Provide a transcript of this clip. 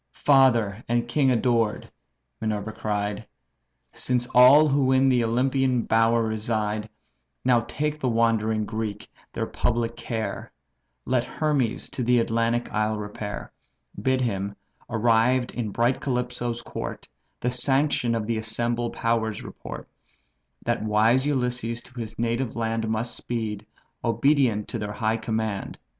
"Father and king adored!" Minerva cried, "Since all who in the Olympian bower reside Now make the wandering Greek their public care, Let Hermes to the Atlantic isle repair; Bid him, arrived in bright Calypso's court, The sanction of the assembled powers report: That wise Ulysses to his native land Must speed, obedient to their high command.